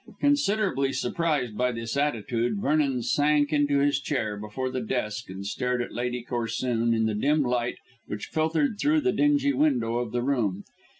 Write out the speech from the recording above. Considerably surprised by this attitude, Vernon sank into his chair before the desk and stared at Lady Corsoon in the dim light which filtered through the dingy window of the room.